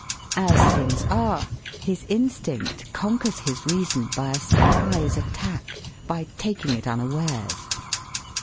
As things are, his instinct conquers his reason by a surprise attack, by taking it unawares.